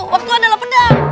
waktu adalah pedang